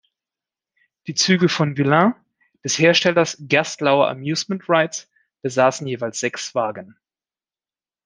Die Züge von "Villain" des Herstellers Gerstlauer Amusement Rides besaßen jeweils sechs Wagen.